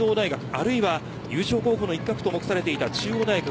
あるいは優勝候補の一角と目されていた中央大学